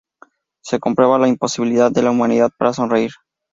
Se comprueba la imposibilidad de la humanidad para sonreír.